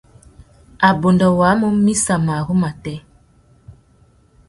Wabunda wa mú mitsa marru matê.